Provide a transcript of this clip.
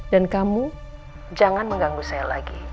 dan kamu jangan mengganggu saya lagi